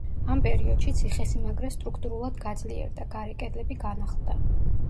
ამ პერიოდში ციხესიმაგრე სტრუქტურულად გაძლიერდა, გარე კედლები განახლდა.